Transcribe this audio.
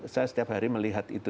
saya setiap hari melihat itu